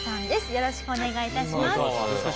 よろしくお願いします。